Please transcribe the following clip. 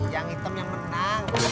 yang hitam yang menang